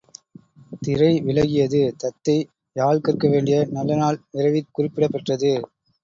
திரை விலகியது தத்தை யாழ் கற்க வேண்டிய நல்ல நாள் விரைவிற் குறிப்பிடப் பெற்றது.